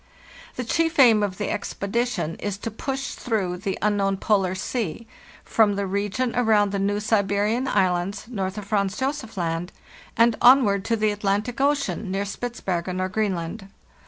" The chief aim of the expedition is to push through the unknown Polar Sea from the region around the New Siberian Islands, north of Franz Josef Land, and on ward to the Atlantic Ocean, near Spitzbergen or Green land.